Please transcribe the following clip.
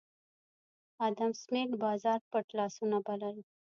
ادم سمېت بازار پټ لاسونه بلل